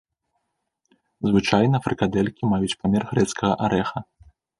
Звычайна фрыкадэлькі маюць памер грэцкага арэха.